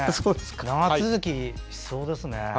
長続きしそうです。